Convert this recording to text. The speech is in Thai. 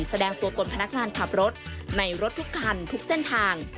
แสดงตัวตนพนักงานขับรถในรถทุกคันทุกเส้นทาง